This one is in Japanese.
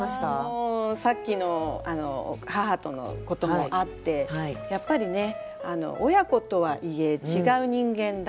もうさっきの母とのこともあってやっぱりね親子とはいえ違う人間だから価値観も違う。